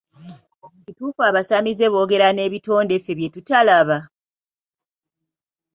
Kituufu abasamize boogera n'ebitonde ffe bye tutalaba?